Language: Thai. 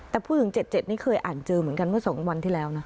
แต่ผู้หญิง๗๗นี่เคยอ่านเจอเหมือนกันเมื่อ๒วันที่แล้วนะ